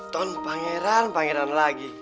ton pangeran pangeran lagi